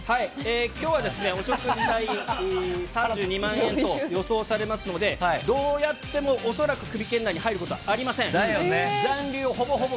きょうはですね、お食事代３２万円と予想されますので、どうやっても、恐らくクビ圏内に入ることはありません。